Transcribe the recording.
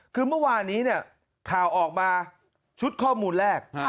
คือเมื่อวานนี้เนี่ยข่าวออกมาชุดข้อมูลแรก